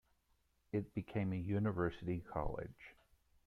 It became a university college.